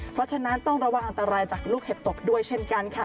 เพราะฉะนั้นต้องระวังอันตรายจากลูกเห็บตกด้วยเช่นกันค่ะ